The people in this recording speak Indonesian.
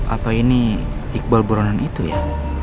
apa ini iqbal buronan itu ya